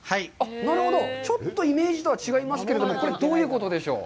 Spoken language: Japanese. なるほど、ちょっとイメージとは違いますけれども、これはどういうことでしょう？